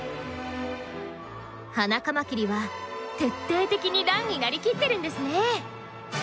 ハナカマキリは徹底的にランになりきってるんですね。